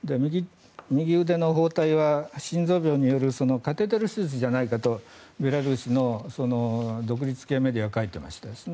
右腕の包帯は心臓病によるカテーテル手術じゃないかとベラルーシの独立系メディアは書いていました。